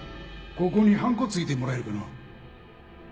ここにハンコついてもらえるかのう